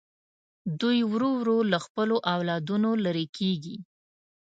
دوی ورو ورو له خپلو اولادونو لرې کېږي.